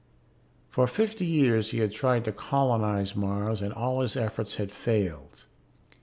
For fifty years he had tried to colonize Mars and all his efforts had failed.